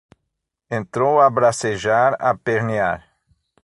entrou a bracejar, a pernear